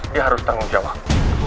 dia harus tanggung jawab